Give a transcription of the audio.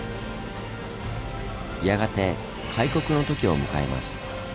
やがて開国の時を迎えます。